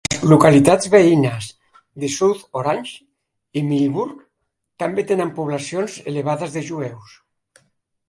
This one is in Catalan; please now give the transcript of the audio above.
Les localitats veïnes de South Orange i Millburn també tenen poblacions elevades de jueus.